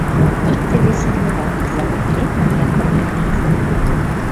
Икте-весым йӧратыза, эре пырля-пырля лийза!